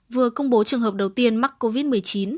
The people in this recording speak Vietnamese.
vừa công bố trường hợp đầu tiên mắc covid một mươi chín